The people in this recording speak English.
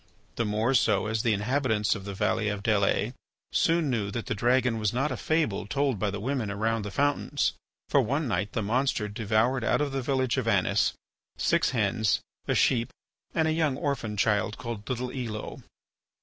The more so as the inhabitants of the valley of Dalles soon knew that the dragon was not a fable told by the women around the fountains. For one night the monster devoured out of the village of Anis six hens, a sheep, and a young orphan child called little Elo.